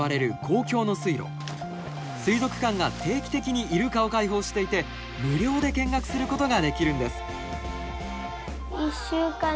水族館が定期的にイルカを解放していて無料で見学することができるんです。